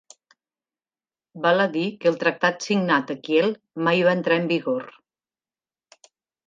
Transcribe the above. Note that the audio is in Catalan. Val a dir que el tractat signat a Kiel mai va entrar en vigor.